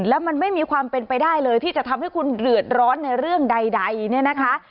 แล้วมันไม่มีความเป็นไปได้เลยที่จะทำให้คุณเดือดร้อนในเรื่องใดเนี่ยนะคะ